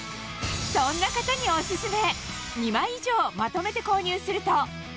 そんな方にお薦め！